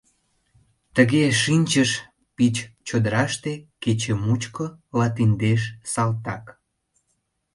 Тыге шинчыш пич чодыраште Кече мучко латиндеш салтак.